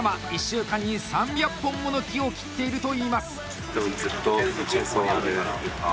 １週間に３００本もの木を切っているといいます。